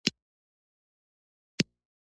ملګرتیا په نورو ټولو حالتونو کې دوام کولای شي.